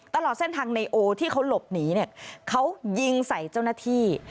ตลอดเส้นทางในโอที่เขาหลบหนีเนี่ยเขายิงใส่เจ้าหน้าที่